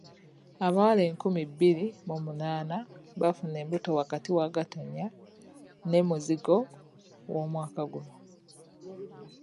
Abawala enkumi bbiri mu munaana baafuna embuto wakati wa Gatonnya ne Muzigo w'omwaka guno.